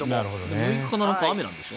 ６日か７日雨なんでしょ？